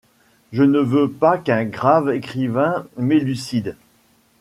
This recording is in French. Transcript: Je ne veux pas qu'un grave écrivain m'élucide